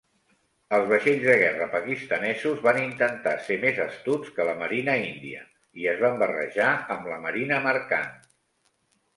Els vaixells de guerra pakistanesos van intentar ser més astuts que la marina índia i es van barrejar amb la marina mercant.